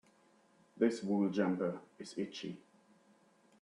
This wool jumper is itchy.